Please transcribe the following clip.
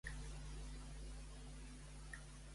Lectura a vista d'un fragment que s'adequa a l'instrument.